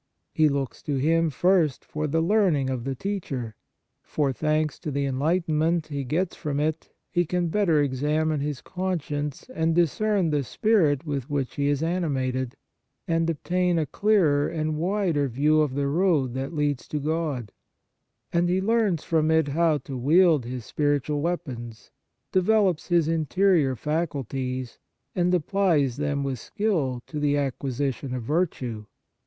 He looks to him first for the learn ing of the teacher ; for, thanks to the enlightenment he gets from it, he can better examine his conscience and discern the spirit with which he is animated, and obtain a clearer and wider view of the road that leads to God ; and he learns from it how to wield his spiritual weapons, develops his interior faculties, and applies them with skill to the acquisition of virtue.